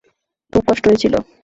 খুব কষ্ট হয়েছিল।